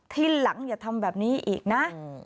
ทีหลังอย่าทำแบบนี้อีกนะ